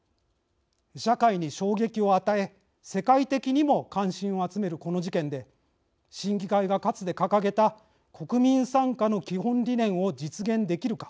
社会に衝撃を与え、世界的にも関心を集めるこの事件で審議会が、かつて掲げた国民参加の基本理念を実現できるか。